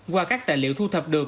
qua các tài liệu thu thập được